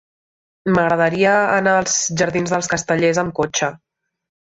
M'agradaria anar als jardins dels Castellers amb cotxe.